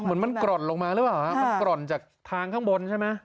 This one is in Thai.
เหมือนมันกร่อนลงมาหรือเปล่าฮะมันกร่อนจากทางข้างบนใช่ไหม